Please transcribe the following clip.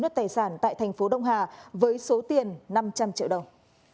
đất tài sản tại thành phố đông hà với số tiền năm trăm linh triệu đồng